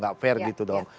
tidak fair gitu dong